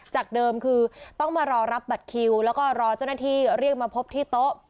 จากเดิมคือต้องมารอรับบัตรคิวแล้วก็รอเจ้าหน้าที่เรียกมาพบที่โต๊ะ